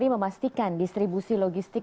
memastikan distribusi logistik